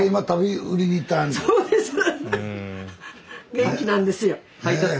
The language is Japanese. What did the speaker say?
元気なんですよ。